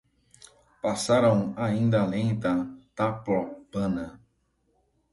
Passaram ainda além da Taprobana